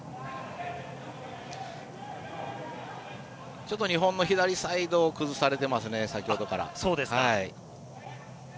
ちょっと日本の左サイドを崩されてますね、先ほどから。